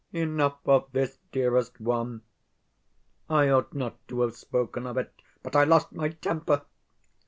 Enough of this, dearest one. I ought not to have spoken of it, but I lost my temper.